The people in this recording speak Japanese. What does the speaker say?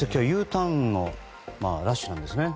Ｕターンラッシュなんですね。